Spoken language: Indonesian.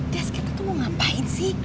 des kita tuh mau ngapain sih